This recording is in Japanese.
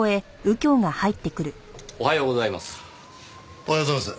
おはようございます。